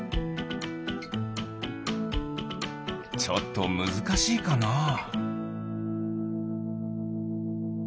ちょっとむずかしいかな？